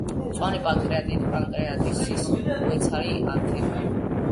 მწვავე პანკრეატიტი პანკრეასის უეცარი ანთებაა.